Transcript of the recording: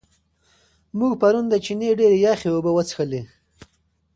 موږ پرون د چینې ډېرې یخې اوبه وڅښلې.